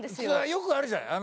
よくあるじゃない。